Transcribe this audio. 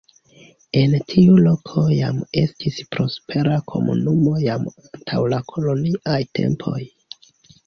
En tiu loko jam estis prospera komunumo jam antaŭ la koloniaj tempoj.